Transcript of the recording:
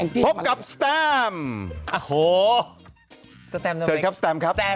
พบกับสแตมโอ้โหสแตมทำไมเจอครับสแตมครับ